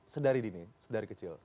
sedari dini sedari kecil